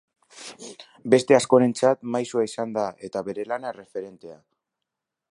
Beste askorentzat maisua izan da eta bere lana erreferentea.